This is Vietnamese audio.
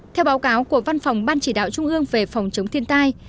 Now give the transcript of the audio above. theo báo cáo của văn phòng ban chỉ đạo trung ương về phòng chống thiên tai